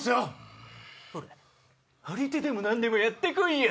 張り手でも何でもやってこいよ！